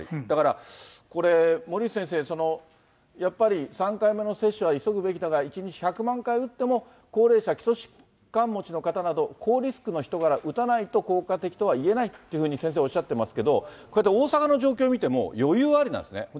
だからこれ、森内先生、やっぱり３回目の接種は急ぐべきだが、１日１００万回打っても高齢者、基礎疾患持ちの人など、高リスクの人から打たないと効果的とはいえないというふうに先生おっしゃってますけど、こうやって大阪の状況見ても、余裕ありなんですね。